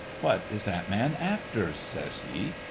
"What is that man after?" says he.